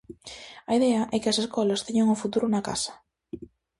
A idea é que as escolas teñan o futuro na casa.